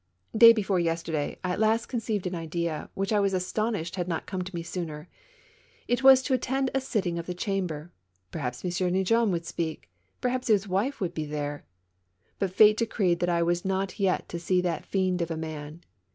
Day before yesterday I at last conceived an idea, which I was astonished had not come to me sooner. It was to attend a sitting of the Chamber; perhaps M. Neigeon would speak, perhaps his wife would be there. But Fate decreed that I was not yet to see that fiend of a man.